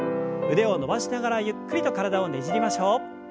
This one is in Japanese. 腕を伸ばしながらゆっくりと体をねじりましょう。